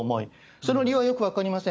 その理由はよく分かりません。